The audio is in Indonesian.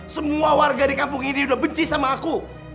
semua warga di kampung ini udah benci sama aku